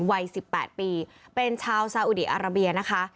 วัย๑๘ปีเป็นชาวซาอุดีอาราเบียนะคะ